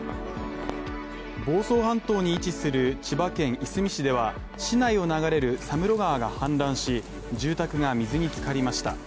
房総半島に位置する千葉県いすみ市では、市内を流れる佐室川が氾濫し住宅が水に浸かりました。